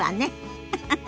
フフフ。